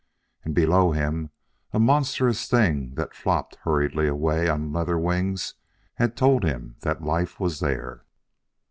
And, below him, a monstrous thing that flopped hurriedly away on leather wings had told him that life was there.